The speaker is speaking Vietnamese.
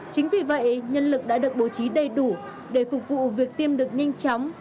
chính vì vậy nhân lực đã được bố trí đầy đủ để phục vụ việc tiêm được nhanh chóng